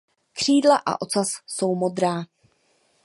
Křídla a ocas jsou modrá.